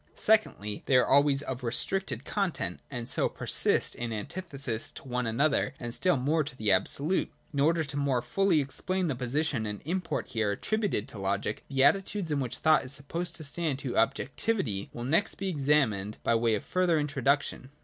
Secondly, they are always of restricted content, and so persist in antithesis to one another and still more to the Abso lute. In order more fully to explain the position and import here attributed to logic, the attitudes in which thought is supposed to stand to objectivity will next be examined by way of further introdyllbtion.